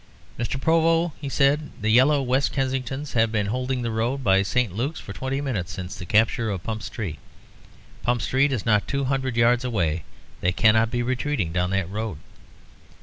"Mr. Provost," he said, "the yellow West Kensingtons have been holding the road by St. Luke's for twenty minutes since the capture of Pump Street. Pump Street is not two hundred yards away; they cannot be retreating down that road."